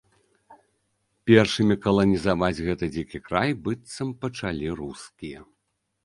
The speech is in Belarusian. Першымі каланізаваць гэты дзікі край, быццам, пачалі рускія.